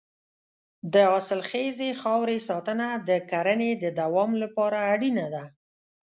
د حاصلخیزې خاورې ساتنه د کرنې د دوام لپاره اړینه ده.